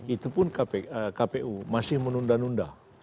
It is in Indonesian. itu pun kpu masih menunda nunda